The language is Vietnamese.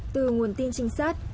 từ nguồn tin trinh sát